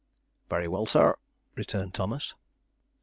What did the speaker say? "Very well, sir," returned Thomas.